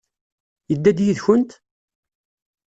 Yedda-d yid-kent?